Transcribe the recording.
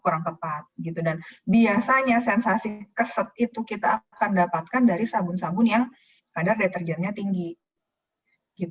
kurang tepat gitu dan biasanya sensasi keset itu kita akan dapatkan dari sabun sabun yang kadar deterjennya tinggi